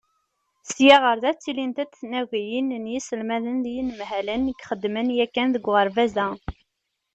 Sya ɣer da, ttilint-d tnagiyin n yiselmaden d yinemhalen i ixedmen yakan deg uɣerbaz-a.